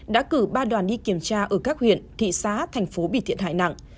đã cử ba đoàn đi kiểm tra ở các huyện thị xá thành phố bị thiện hại nặng